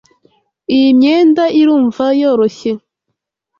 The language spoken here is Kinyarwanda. Iyi myenda irumva yoroshye.